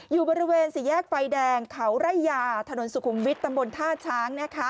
อยู่บริเวณสี่แยกไฟแดงเขาไร่ยาถนนสุขุมวิทย์ตำบลท่าช้าง